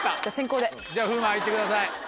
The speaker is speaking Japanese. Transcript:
じゃあ風磨いってください。